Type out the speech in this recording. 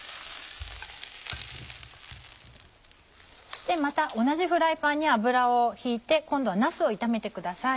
そしてまた同じフライパンに油を引いて今度はなすを炒めてください。